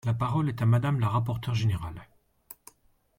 La parole est à Madame la rapporteure générale.